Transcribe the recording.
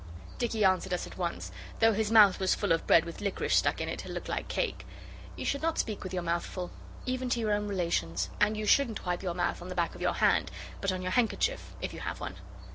Dicky answered us at once, though his mouth was full of bread with liquorice stuck in it to look like cake. You should not speak with your mouth full, even to your own relations, and you shouldn't wipe your mouth on the back of your hand, but on your handkerchief, if you have one.